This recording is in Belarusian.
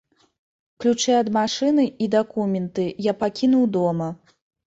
Ключы ад машыны і дакументы я пакінуў дома.